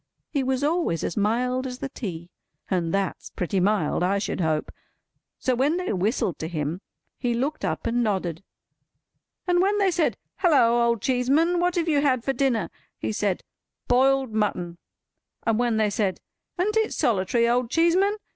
He was always as mild as the tea—and that's pretty mild, I should hope!—so when they whistled to him, he looked up and nodded; and when they said, "Halloa, Old Cheeseman, what have you had for dinner?" he said, "Boiled mutton;" and when they said, "An't it solitary, Old Cheeseman?"